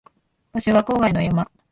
場所は郊外の山